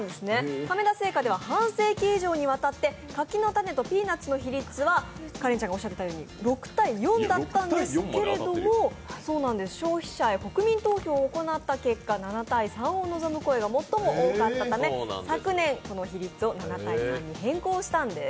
亀田製菓では半世紀以上にわたって柿の種とピーナッツの比率は６対４だったんですけれども消費者へ国民投票を行ったところ７対３を望む声が最も多かったため、昨年、この比率を７対３に変更したんです。